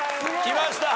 きました。